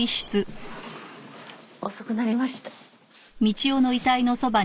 遅くなりました。